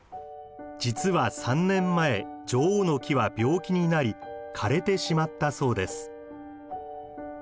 実は３年前女王の木は病気になり枯れてしまったそうです。